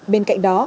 bên cạnh đó